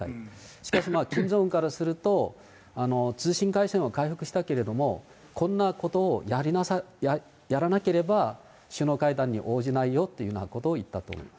しかしまあ、キム・ジョンウンからすると、通信回線は回復したけれども、こんなことをやらなければ、首脳会談に応じないよというようなことを言ったと思います。